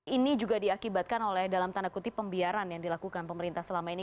ini juga diakibatkan oleh dalam tanda kutip pembiaran yang dilakukan pemerintah selama ini